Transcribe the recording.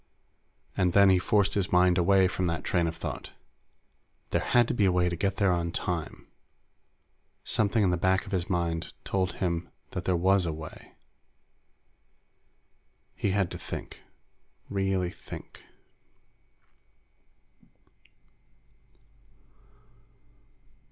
And then he forced his mind away from that train of thought. There had to be a way to get there on time. Something in the back of his mind told him that there was a way. He had to think. Really think.